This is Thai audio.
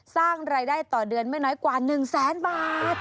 สร้างรายได้ต่อเดือนไม่น้อยกว่า๑แสนบาท